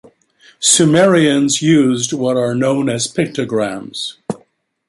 Sumerians used what are known as pictograms.